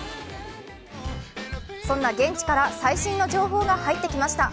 そんな現地から最新の情報が入ってきました。